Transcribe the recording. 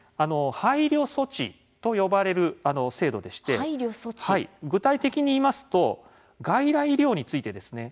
配慮措置と呼ばれる制度でして具体的にいいますと外来医療についてですね